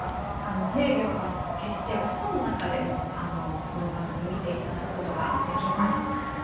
テレビを消してお布団の中でもこの番組を見ていただくことができます。